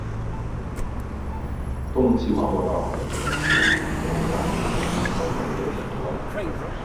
都能细化落到每一个检察院、每一个办案部门和每一位检察官